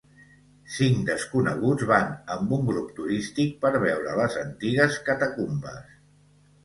Cinc desconeguts van amb un grup turístic per veure les antigues catacumbes.